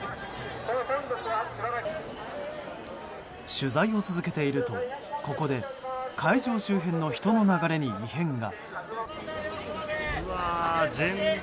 取材を続けていると、ここで会場周辺の人の流れに異変が。